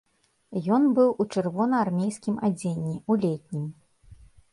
Ён быў у чырвонаармейскім адзенні, у летнім.